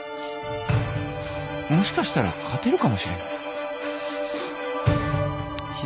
もしかしたら勝てるかもしれない